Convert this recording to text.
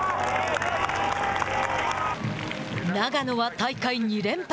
長野は大会２連覇。